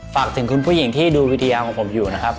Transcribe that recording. ฝากถึงคุณผู้หญิงที่ดูวิทยาของผมอยู่นะครับ